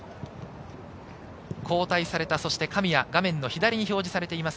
交代された神谷、画面の左に表示されています。